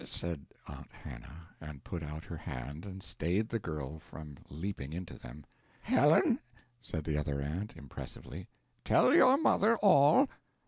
said Aunt Hannah, and put out her hand and stayed the girl from leaping into them. "Helen," said the other aunt, impressively, "tell your mother all.